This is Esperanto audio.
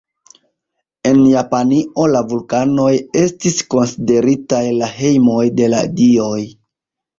En Japanio la vulkanoj estis konsideritaj la hejmoj de la dioj.